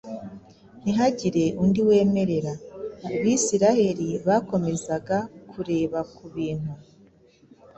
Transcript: ntihagire undi wemerera! Abisirayeli bakomezaga kureba ku bintu